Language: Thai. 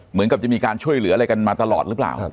เหมือนกับจะมีการช่วยเหลืออะไรกันมาตลอดหรือเปล่า